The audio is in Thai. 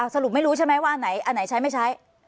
สรุปไม่รู้ใช่ไหมว่าอันไหนอันไหนใช้ไม่ใช้